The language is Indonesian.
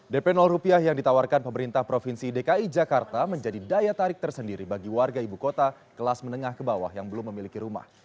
dp rupiah yang ditawarkan pemerintah provinsi dki jakarta menjadi daya tarik tersendiri bagi warga ibu kota kelas menengah ke bawah yang belum memiliki rumah